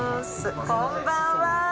こんばんは。